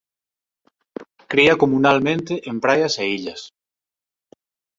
Cría comunalmente en praias e illas.